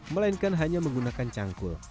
melainkan hanya menggunakan cangkul